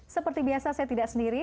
seperti biasa saya tidak sendiri